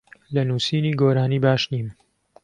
لە نووسینی گۆرانی باش نیم.